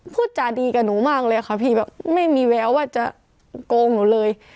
พูดจาดีกับหนูมากเลยค่ะพี่แบบไม่มีแววว่าจะโกงหนูเลย